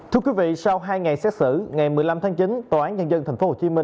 thưa quý vị sau hai ngày xét xử ngày một mươi năm tháng chín tòa án nhân dân tp hcm